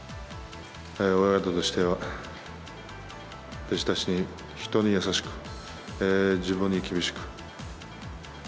親方としては、弟子たちに、人に優しく、自分に厳しく。